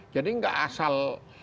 jadi enggak asal